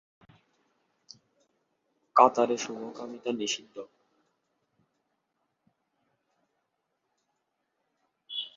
কাতারে সমকামিতা নিষিদ্ধ।